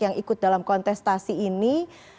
yang ikut dalam kontestasi ini